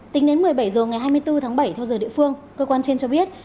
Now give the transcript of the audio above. tính đến một mươi bảy h ngày hai mươi bốn tháng bảy theo giờ địa phương cơ quan trên cho biết